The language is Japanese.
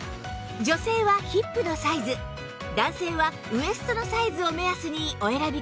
女性はヒップのサイズ男性はウエストのサイズを目安にお選びください